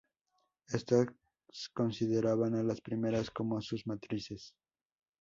Estas consideraban a las primeras como a sus matrices.